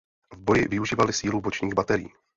V boji využívaly sílu bočních baterií.